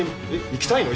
行きたいの？